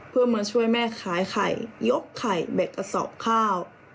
เพื่อมาช่วยแม่ขายไข่ยกไข่เบ็ดกระสอบข้าว